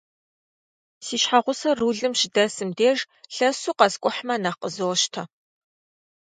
Си щхьэгъусэр рулым щыдэсым деж, лъэсу къэскӏухьмэ нэхъ къызощтэ.